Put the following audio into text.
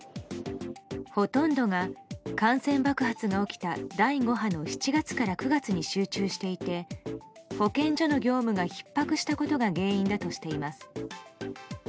ほとんどが感染爆発が起きた第５波の７月から９月に集中していて保健所の業務がひっ迫したことが原因だとしています。